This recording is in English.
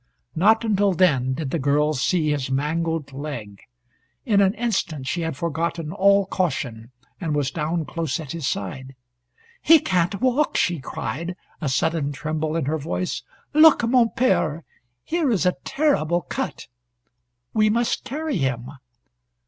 Not until then did the girl see his mangled leg. In an instant she had forgotten all caution, and was down close at his side. "He can't walk," she cried, a sudden tremble in her voice. "Look, mon pere! Here is a terrible cut. We must carry him."